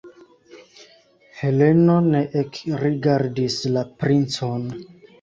Heleno ne ekrigardis la princon.